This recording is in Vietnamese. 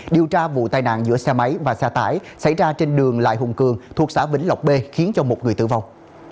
điều tra vụ tai nạn giữa xe máy và xe tải xảy ra trên đường lại hùng cường thuộc xã vĩnh lộc b khiến cho một người tử vong